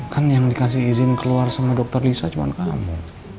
kan yang dikasih izin keluar sama dokter lisa cuma kamu